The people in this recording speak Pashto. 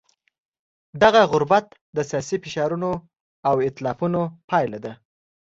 دغه غربت د سیاسي فشارونو او ایتلافونو پایله ده.